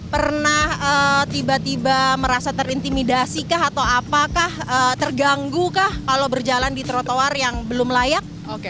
pernah tiba tiba merasa terintimidasi kah atau apakah terganggu kah kalau berjalan di trotoar yang belum layak